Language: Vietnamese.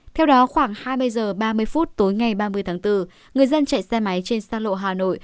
theo đó khoảng hai mươi h ba mươi phút tối ngày ba mươi tháng bốn người dân chạy xe máy trên xa lộ hà nội